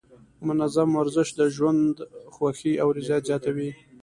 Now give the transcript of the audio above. منظم ورزش د ژوند خوښۍ او رضایت زیاتوي.